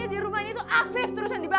radit arya kusuma